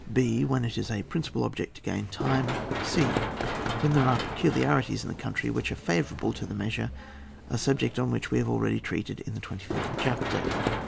6, when it is a principal object to gain tima c, when there are peculiarities in the country which are favourable to the measure, a subject on which we have al ready treated in the twenty fifth chap ter.